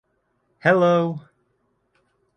Hello!